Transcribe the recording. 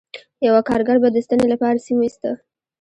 یوه کارګر به د ستنې لپاره سیم ویسته